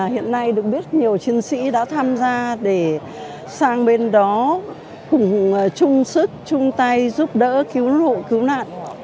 hiện nay được biết nhiều chiến sĩ đã tham gia để sang bên đó cùng chung sức chung tay giúp đỡ cứu hộ cứu nạn